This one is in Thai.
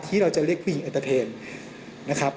ที่เราจะเรียกผู้หญิงเอ็นเตอร์เทนนะครับ